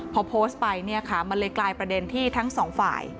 พอโพสต์ไปเนี่ยค่ะมันเลยกลายประเด็นที่ทั้งสองฝ่าย